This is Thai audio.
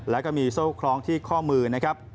แล้วก็มีโซ่คล้องที่ข้อมือนะครับ